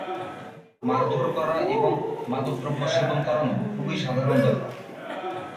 মারধর করা এবং মাদকদ্রব্য সেবন করানো খুবই সাধারণ ব্যাপার।